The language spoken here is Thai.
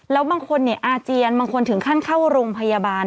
แล้วบางคนอาเจียนบางคนถึงขั้นเข้าโรงพยาบาล